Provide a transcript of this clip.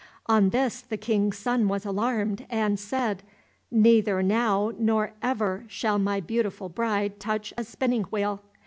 On this the King's son was alarmed and said, "Neither now nor ever shall my beautiful bride touch a spinning wheel."